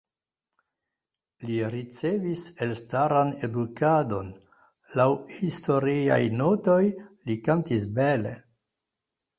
Li ricevis elstaran edukadon, laŭ historiaj notoj, li kantis bele.